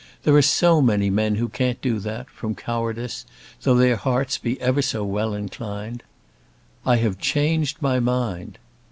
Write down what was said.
There are so many men who can't do that, from cowardice, though their hearts be ever so well inclined. 'I have changed my mind.'